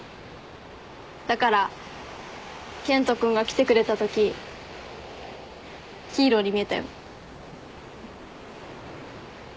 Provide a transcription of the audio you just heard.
だから健人君が来てくれたときヒーローに見えたよ。